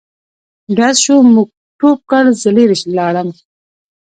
ډز شو موږ ټوپ کړ زه لیري لاړم.